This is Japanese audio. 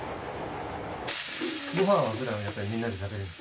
ごはんはふだんやっぱりみんなで食べるんですか？